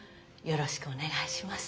よろしくお願いします。